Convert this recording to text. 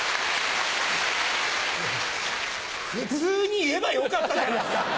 普通に言えばよかったじゃないですか！